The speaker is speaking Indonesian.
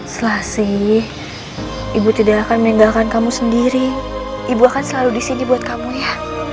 selah sih ibu tidak akan meninggalkan kamu sendiri ibu akan selalu disini buat kamu ya